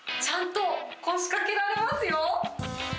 ちゃんと、腰掛けられますよ。